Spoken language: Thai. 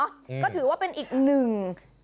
ก็ถือว่าเป็นอีกหนึ่ง